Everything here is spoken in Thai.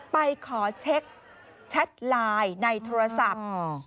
ไปขอเช็คแชทไลน์ในโทรศัพท์